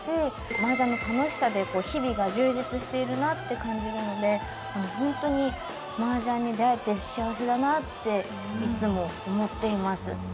麻雀の楽しさで日々が充実しているなって感じるのでホントに麻雀に出会えて幸せだなっていつも思っています。